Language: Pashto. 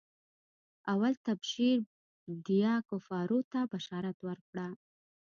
اول تبشير ديه کفارو ته بشارت ورکړه.